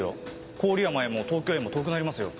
郡山へも東京へも遠くなりますよ。